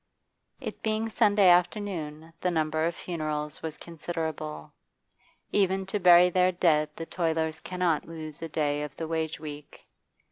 It being Sunday afternoon the number of funerals was considerable; even to bury their dead the toilers cannot lose a day of the wage week.